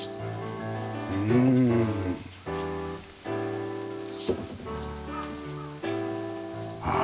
うん。ああ。